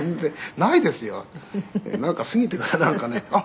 なんか過ぎてからなんかねあっ